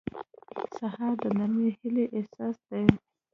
سهار د نرمې هیلې احساس دی.